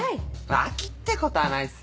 脇ってことはないっすよ。